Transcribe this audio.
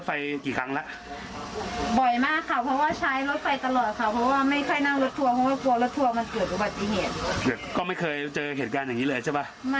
ไม่ค่ะครั้งแรกค่ะครั้งแรกเลยค่ะ